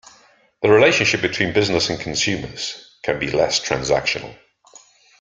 The relationship between businesses and consumers can be less transactional.